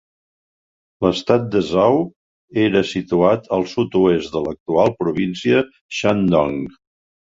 L'estat de Zou era situat al sud-oest de l'actual Província Shandong.